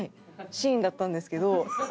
シーンだったんですけど。